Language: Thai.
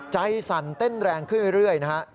สั่นเต้นแรงขึ้นเรื่อยนะฮะ